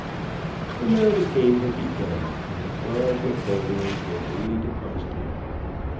And now the game had begun, and the twelve napoleons were duly deposited.